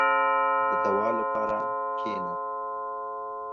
• د دعا لپاره کښېنه.